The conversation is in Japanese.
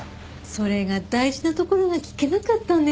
それが大事なところが聞けなかったんですよ。